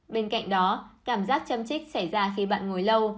bên cạnh đó cảm giác châm trích xảy ra khi bạn ngồi lâu